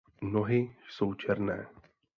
Nohy jsou černé.